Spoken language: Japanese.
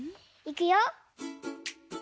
いくよ。